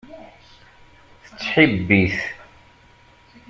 Tettḥibbi-t.